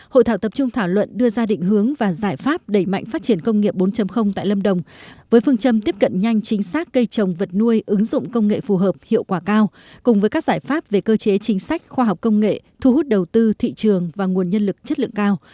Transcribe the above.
hội thảo tập trung thảo luận đưa ra định hướng và giải pháp đẩy mạnh phát triển công nghiệp bốn tại lâm đồng với phương châm tiếp cận nhanh chính xác cây trồng vật nuôi ứng dụng công nghệ phù hợp hiệu quả cao cùng với các giải pháp về cơ chế chính sách khoa học công nghệ thu hút đầu tư thị trường và nguồn nhân lực chất lượng cao